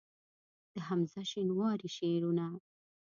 د حمزه شینواري شعرونه